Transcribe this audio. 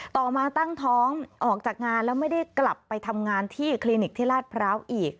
ต่อมาตั้งท้องออกจากงานแล้วไม่ได้กลับไปทำงานที่คลินิกที่ลาดพร้าวอีก